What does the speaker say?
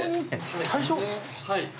はい。